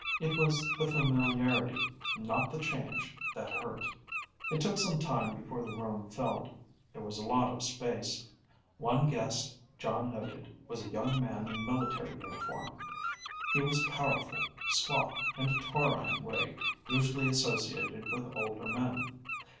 It was the familiarity, not the change, that hurt. It took some time before the room filled. There was a lot of space. One guest Jon noted was a young man in military uniform. He was powerful, squat in a taurine way usually associated with older men.